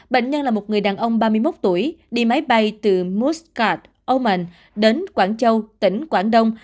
bệnh nhân là một người đàn ông ba mươi một tuổi đi máy bay từ muscat oman đến quảng châu tỉnh quảng đông